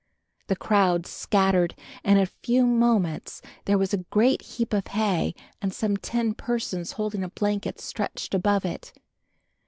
The crowd scattered and in a few moments there was a great heap of hay and some ten persons holding a blanket stretched above it.